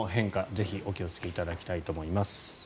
ぜひお気をつけいただきたいと思います。